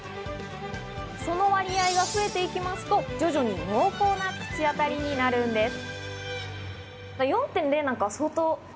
その割合が増えてきますと、徐々に濃厚な口当たりになるんです。